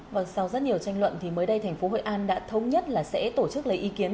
và sau rất nhiều tranh luận thì mới đây thành phố hội an đã thống nhất là sẽ tổ chức lấy ý kiến